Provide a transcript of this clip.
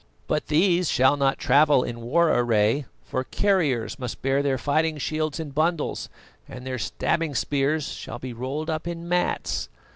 But these shall not travel in war array, for carriers must bear their fighting shields in bundles and their stabbing spears shall be rolled up in mats.